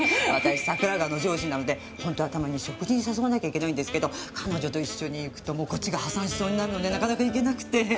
私桜川の上司なので本当はたまに食事に誘わなきゃいけないんですけど彼女と一緒に行くとこっちが破産しそうになるのでなかなか行けなくて。